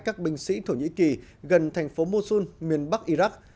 các binh sĩ thổ nhĩ kỳ gần thành phố mosun miền bắc iraq